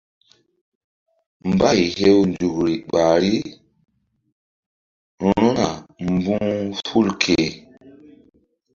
Mbay hew nzukri ɓahri seru̧na mbu̧h ful ke.